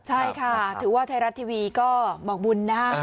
ใช่ค่ะถือว่าไทยรัฐทีวีก็บอกบุญนะฮะ